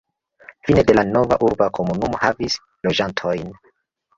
Fine de la nova urba komunumo havis loĝantojn.